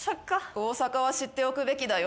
大阪は知っておくべきだよ。